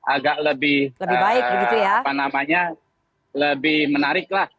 agak lebih apa namanya lebih menarik lah